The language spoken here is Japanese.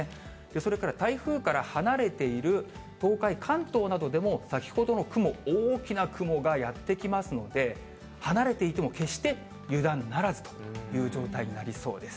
それから台風から離れている東海、関東などでも先ほどの雲、大きな雲がやって来ますので、離れていても決して油断ならずという状態になりそうです。